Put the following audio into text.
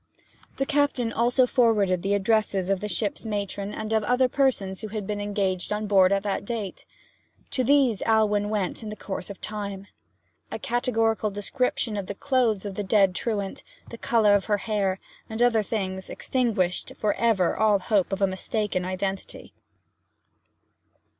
The captain also forwarded the addresses of the ship's matron and of other persons who had been engaged on board at the date. To these Alwyn went in the course of time. A categorical description of the clothes of the dead truant, the colour of her hair, and other things, extinguished for ever all hope of a mistake in identity.